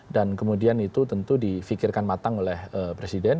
dan kemudian itu tentu di fikirkan matang oleh presiden